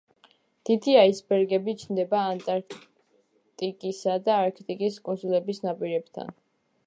დიდი აისბერგები ჩნდება ანტარქტიკისა და არქტიკის კუნძულების ნაპირებთან.